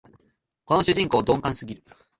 この主人公、鈍感すぎる